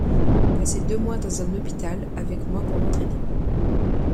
Passer deux mois dans un hôpital avec moi pour m'entraîner.